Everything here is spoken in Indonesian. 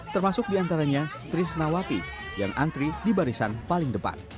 termasuk diantaranya trisnawati yang antri di barisan paling depan